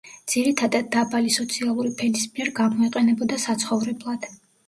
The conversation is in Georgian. ძირითადად დაბალი სოციალური ფენის მიერ გამოიყენებოდა საცხოვრებლად.